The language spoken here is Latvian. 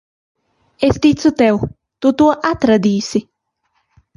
Es ticu tev. Tu to atradīsi.